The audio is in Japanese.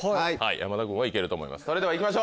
山田君は行けると思います。